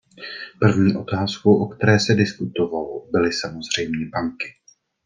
První otázkou, o které se diskutovalo, byly samozřejmě banky.